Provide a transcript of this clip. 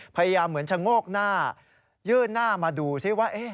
พยายามเหมือนชะโงกหน้ายื่นหน้ามาดูซิว่า